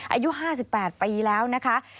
อายุ๕๘ปีแล้วนะคะ